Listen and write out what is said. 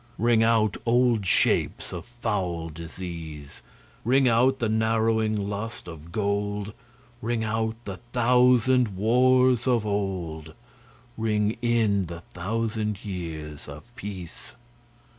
Ring out old shapes of foul disease, Ring out the narrowing lust of gold; Ring out the thousand wars of old, Ring in the thousand years of peace.